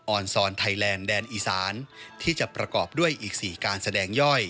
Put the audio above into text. อนซอนไทยแลนด์แดนอีสานที่จะประกอบด้วยอีก๔การแสดงย่อย